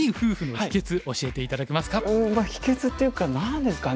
秘けつっていうか何ですかね。